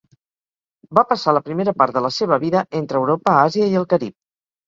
Va passar la primera part de la seva vida entre Europa, Àsia i el Carib.